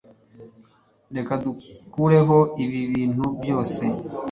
Reka dukureho ibi bintu byose